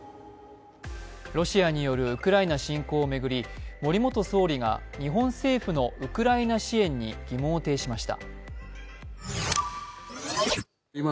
ロシアによるウクライナ侵攻を巡り、森元総理が日本政府のウクライナ支援に疑問を呈しました。